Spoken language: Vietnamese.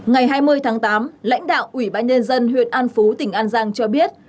ngày hai mươi tháng tám lãnh đạo ủy ban nhân dân huyện an phú tỉnh an giang cho biết